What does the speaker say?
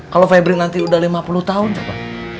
kalau febri nanti udah lima puluh tahun coba